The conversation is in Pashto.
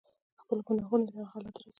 خپل گناهونه ئې دغه حالت ته ورسوي.